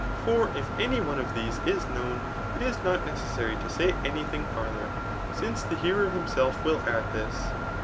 For if jany que ^ these is known, it id nM necaesstty to. aay any tMng [farther;] since the heawr himself wiU add this.